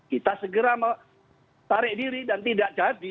kita segera menarik diri dan tidak jadi